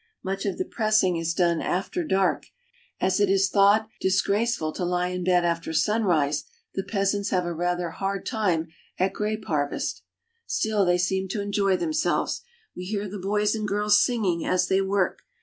Much of the pressing is done after dark, and, as it is thought disgrace ful to lie in bed after sunrise, the peasants have a rather hard time at grape harvest. Still, they seem to enjoy themselves. We hear the boys and girls singing as they work.